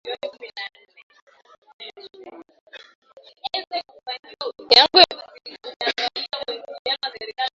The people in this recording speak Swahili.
ndishi wetu victor robert willy amezungumuza na mbunge huyo mteule barwan